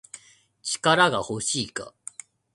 力が欲しいか